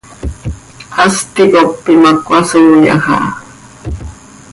Hast ticop imac cöhasooyaj aha.